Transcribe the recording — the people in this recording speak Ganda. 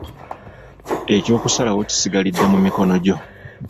Eky'okusalawo kisigalidde mu mikono gyo.